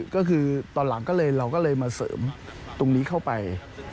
ก็คือตอนหลังก็เลยเราก็เลยมาเสริมตรงนี้เข้าไป